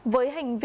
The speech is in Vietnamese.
với hành vi